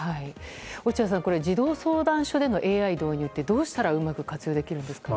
落合さん、児童相談所でのＡＩ導入ってどうしたらうまく活用できますかね。